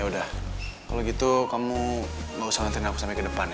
yaudah kalau gitu kamu nggak usah nantikan aku sampai ke depan ya